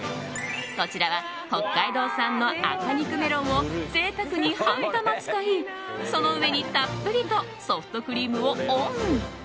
こちらは北海道産の赤肉メロンを贅沢に半玉使いその上にたっぷりとソフトクリームをオン。